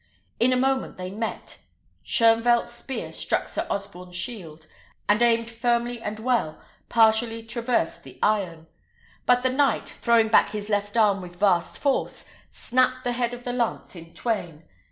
In a moment they met. Shoenvelt's spear struck Sir Osborne's shield, and, aimed firmly and well, partially traversed the iron; but the knight, throwing back his left arm with vast force, snapped the head of the lance in twain.